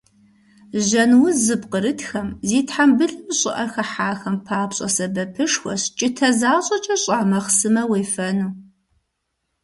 Жьэн уз зыпкърытхэм, зи тхьэмбылым щӀыӀэ хыхьахэм папщӏэ сэбэпышхуэщ кӀытэ защӀэкӀэ щӀа махъсымэ уефэну.